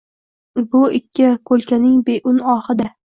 Bu ikki ko‘lkaning beun “oh”ida